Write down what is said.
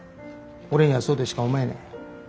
俺にはそうとしか思えねえ。